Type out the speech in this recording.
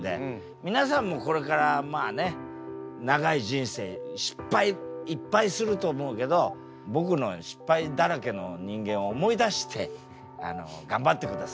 皆さんもこれからまあね長い人生失敗いっぱいすると思うけど僕のように失敗だらけの人間を思い出して頑張ってください。